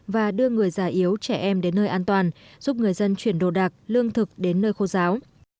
và đưa người già yếu trẻ em đến nơi an toàn giúp người dân chuyển đồ đạc lương thực đến nơi khô giáo